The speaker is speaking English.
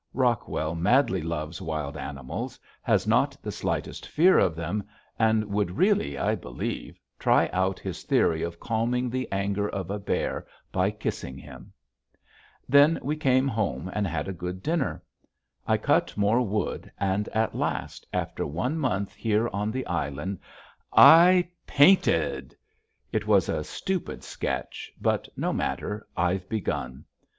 Rockwell madly loves wild animals, has not the slightest fear of them, and would really, I believe, try out his theory of calming the anger of a bear by kissing him. Then we came home and had a good dinner. I cut more wood and at last, after one month here on the island, I PAINTED. It was a stupid sketch, but no matter, I've begun!